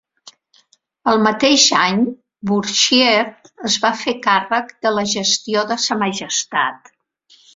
El mateix any, Bourchier es va fer càrrec de la gestió de Sa Majestat.